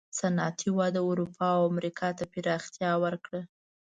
صنعتي وده اروپا او امریکا ته پراختیا وکړه.